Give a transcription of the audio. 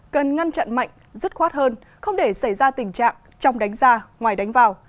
cần ngăn chặn mạnh dứt khoát hơn không để xảy ra tình trạng trong đánh ra ngoài đánh vào